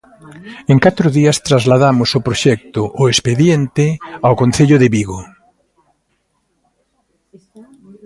En catro días trasladamos o proxecto, o expediente, ao Concello de Vigo.